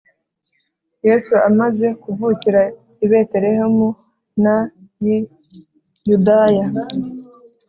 Yesu amaze kuvukira i Betelehemu n y i Yudaya